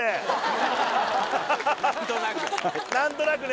何となくね。